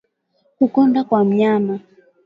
Kukonda kwa mnyama